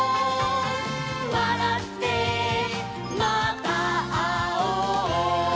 「わらってまたあおう」